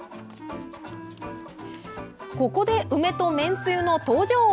ここで梅とめんつゆの登場。